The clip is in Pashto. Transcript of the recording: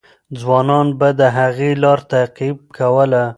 ځوانان به د هغې لار تعقیب کوله.